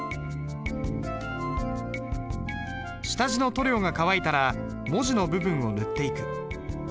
下地の塗料が乾いたら文字の部分を塗っていく。